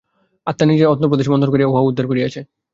আত্মা নিজের অন্তঃপ্রদেশ মন্থন করিয়া উহা উদ্ধার করিয়াছে।